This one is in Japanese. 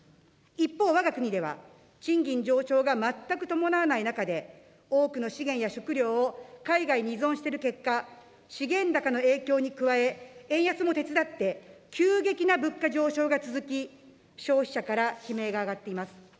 一方、わが国では賃金上昇が全く伴わない中で、多くの資源や食料を海外に依存している結果、資源高の影響に加え、円安も手伝って急激な物価上昇が続き、消費者から悲鳴が上がっています。